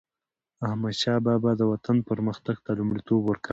احمدشاه بابا به د وطن پرمختګ ته لومړیتوب ورکاوه.